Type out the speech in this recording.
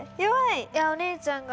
お姉ちゃんが。